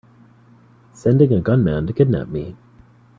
Sending a gunman to kidnap me!